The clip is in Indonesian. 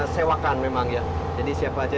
sewakan memang ya jadi siapa aja